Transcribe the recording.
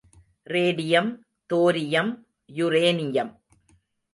Radium, thorium, uranium.